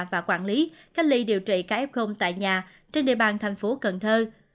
và quản lý cách ly điều trị kf tại nhà trên địa bàn tp cần thơ